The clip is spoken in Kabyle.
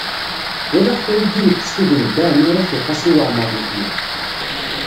Walaɣ kra n yiwet tessuden Dda Ɛmiiruc u Qasi Waɛmer n Ḥmed.